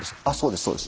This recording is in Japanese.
あそうです